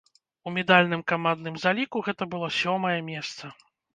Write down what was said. У медальным камандным заліку гэта было сёмае месца.